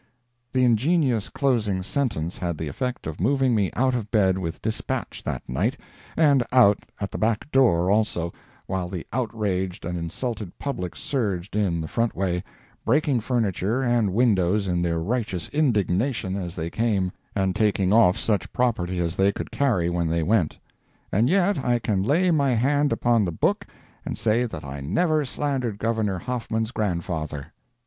The ingenious closing sentence had the effect of moving me out of bed with despatch that night, and out at the back door, also, while the "outraged and insulted public" surged in the front way, breaking furniture and windows in their righteous indignation as they came, and taking off such property as they could carry when they went. And yet I can lay my hand upon the Book and say that I never slandered Governor Hoffman's grandfather.